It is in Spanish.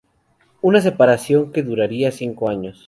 Una separación que duraría cinco años.